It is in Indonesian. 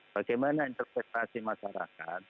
bagaimana interpretasi masyarakat